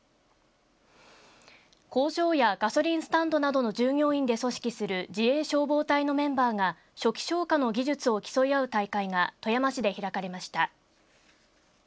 工場やガソリンスタンドなどの従業員で組織する自衛消防隊のメンバーが初期消火の技術を競い合う大会が富山市で開かれました。